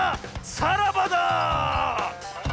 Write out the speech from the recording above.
さらばだ！